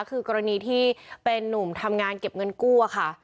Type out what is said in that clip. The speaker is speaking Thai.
คือกรณีที่เป็นนุ่มทำงานเก็บเงินกู้อะค่ะ